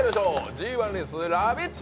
ＧⅠレースラヴィット！